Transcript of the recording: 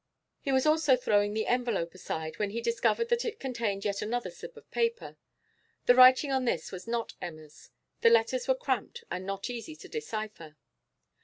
He was also throwing the envelope aside, when he discovered that it contained yet another slip of paper. The writing on this was not Emma's: the letters were cramped and not easy to decipher.